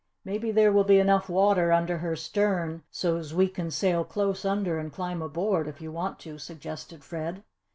"Maybe there will be enough water under her stern so's we can sail close under and climb aboard if you want to," suggested Fred.